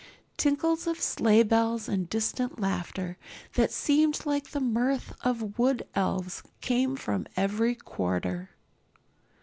Tinkles of sleigh bells and distant laughter, that seemed like the mirth of wood elves, came from every quarter.